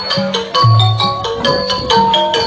สวัสดีทุกคน